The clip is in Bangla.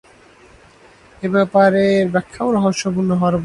এই ব্যাপারের ব্যাখ্যাও রহস্যপূর্ণ হওয়ার প্রয়োজন নাই।